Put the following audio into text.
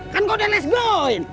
kan gue udah less goin